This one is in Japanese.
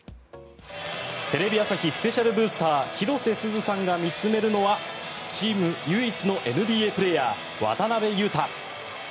テレビ朝日スペシャルブースター広瀬すずさんが見つめるのはチーム唯一のＮＢＡプレーヤー渡邊雄太。